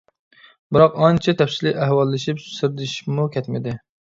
بىراق ئانچە تەپسىلىي ئەھۋاللىشىپ سىردىشىپمۇ كەتمىدى.